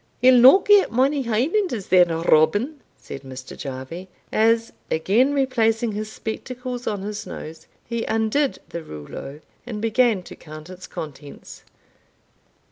"He'll no get mony Hielanders then, Robin," said Mr. Jarvie, as, again replacing his spectacles on his nose, he undid the rouleau, and began to count its contents.